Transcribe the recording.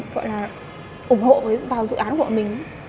gọi là ủng hộ vào dự án của mình